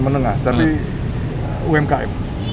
menengah tapi umkm